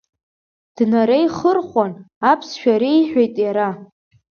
Днареихырхәан, аԥсшәа реиҳәеит иара.